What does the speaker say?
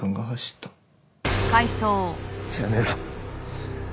やめろ！